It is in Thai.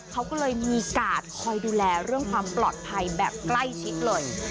เขาก็เลยมีกาดคอยดูแลเรื่องความปลอดภัยแบบใกล้ชิดเลย